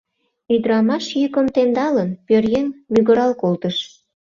Ӱдырамаш йӱкым темдалын, пӧръеҥ мӱгырал колтыш: